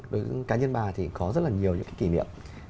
đối với cá nhân bà thì có rất là nhiều những cái kỷ niệm